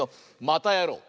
またやろう！